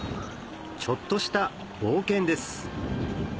ちょっとした冒険です